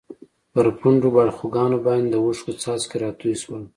پر پڼډو باړخوګانو باندې د اوښکو څاڅکي راتوی شول.